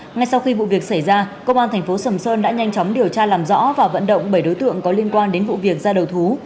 ngay sau khi vụ việc xảy ra công an thành phố sầm sơn đã nhanh chóng điều tra làm rõ và vận động bảy đối tượng có liên quan đến vụ việc ra đầu thú